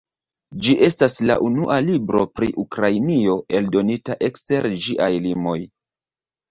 Ĝi estas la unua libro pri Ukrainio, eldonita ekster ĝiaj limoj.